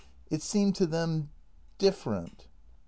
It seemed to them different.